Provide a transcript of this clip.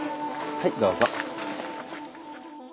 はいどうぞ。